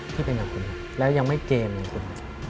ที่เป็นกับคุณแล้วยังไม่เกมเลยคุณ